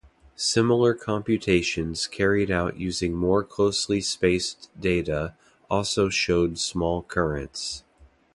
Similar computations carried out using more closely spaced data also showed small currents.